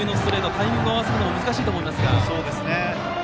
タイミング合わせるのが難しいと思いますが。